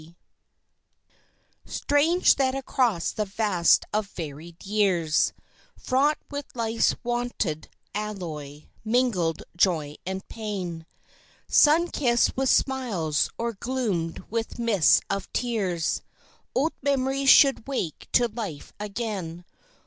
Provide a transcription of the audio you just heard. A Memory Strange that across the vast of varied years, Fraught with life's wonted alloy mingled joy and pain Sun kissed with smiles or gloomed with mists of tears, Old memories should wake to life again.